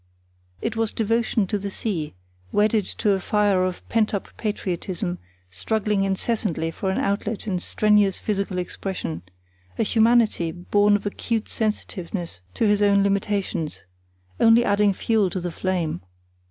It was devotion to the sea, wedded to a fire of pent up patriotism struggling incessantly for an outlet in strenuous physical expression; a humanity, born of acute sensitiveness to his own limitations, only adding fuel to the flame.